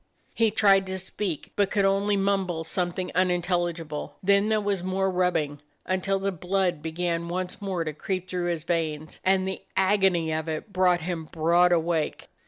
He tried to speak, but could only mumble something unintelligible. Then there was more rubbing, until the blood began once more to creep through his veins, and the agony of it brought him broad awake.